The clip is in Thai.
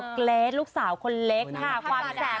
อเกรสลูกสาวคนเล็กค่ะ